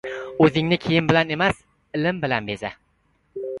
• O‘zingni kiyim bilan emas, ilm bilan beza.